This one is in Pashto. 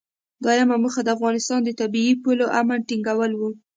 دویمه موخه د افغانستان د طبیعي پولو امن ټینګول و.